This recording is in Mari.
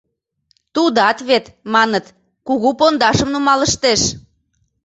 Тудат вет, маныт кугу пондашым нумалыштеш.